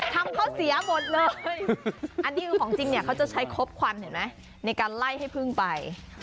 ทำเขาเสียหมดเลยอันนี้ของจริงเนี่ยเบาจะใช้ครบขวัญในการไล่ให้เพื้งไป